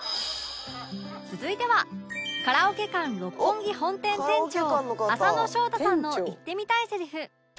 続いてはカラオケ館六本木本店店長浅野翔太さんの言ってみたいセリフ